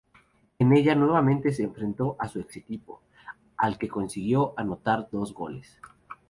En ella nuevamente se enfrentó a su ex-equipo, al que consiguió anotar dos goles.